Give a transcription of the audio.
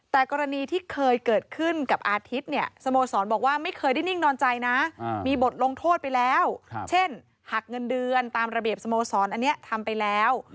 แต่กรณีที่เคยเกิดขึ้นกับอาทิตย์เนี่ยสโมสรบอกว่าไม่เคยได้นิ่งนอนใจนะมีบทลงโทษไปแล้วเช่นหักเงินเดือนตามระเบียบสโมสรอันนี้ทำไปแล้ว